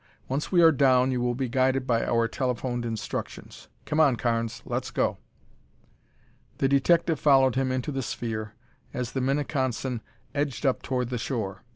Once we are down, you will be guided by our telephoned instructions. Come on, Carnes, let's go." The detective followed him into the sphere as the Minneconsin edged up toward the shore.